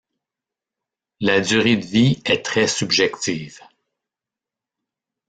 La durée de vie est très subjective.